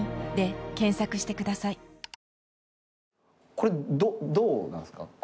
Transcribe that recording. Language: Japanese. これどうなんですか？